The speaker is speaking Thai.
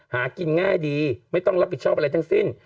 หากินง่ายดีไม่ต้องรับผิดชอบอะไรทั้งสิ้น